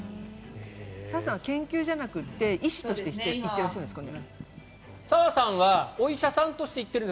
サワさんは研究じゃなくて医師として行ってるんですかね？